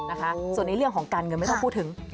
นะคะส่วนในเรื่องของการเงินไม่ต้องพูดถึง